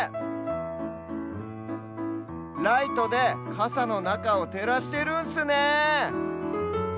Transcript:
ライトでカサのなかをてらしてるんスね！